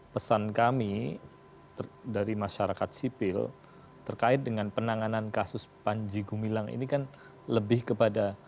pesan kami dari masyarakat sipil terkait dengan penanganan kasus panji gumilang ini kan lebih kepada